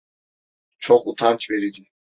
Çok utanç verici.